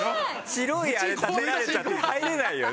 白いあれ建てられちゃって入れないよね。